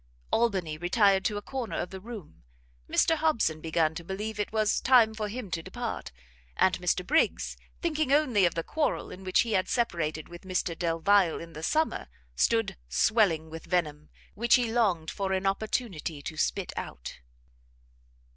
Albany retired to a corner of the room; Mr Hobson began to believe it was time for him to depart; and Mr Briggs thinking only of the quarrel in which he had separated with Mr Delvile in the summer, stood swelling with venom, which he longed for an opportunity to spit out.